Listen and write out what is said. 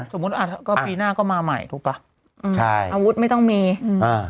สมมุติอ่ะก็ปีหน้าก็มาใหม่ถูกป่ะอืมใช่อาวุธไม่ต้องมีอืมอ่า